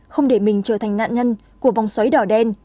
không để mình trở thành nạn nhân của vòng xoáy đỏ đen